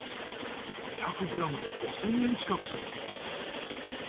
２００ｇで５，０００円近くする。